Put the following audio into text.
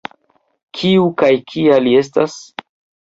Kiu kaj kia li estas?